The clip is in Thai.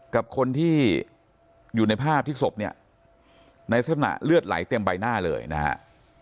กับคนที่อยู่ในภาพที่ศพเนี่ยในลักษณะเลือดไหลเต็มใบหน้าเลยนะฮะ